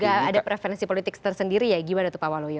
kalau pusat juga ada preferensi politik tersendiri ya giba datuk pawaloyo